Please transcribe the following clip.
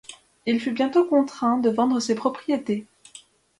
Il fut bientôt contraint de vendre ses propriétés.